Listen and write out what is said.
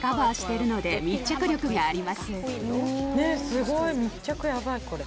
すごい密着ヤバいこれ。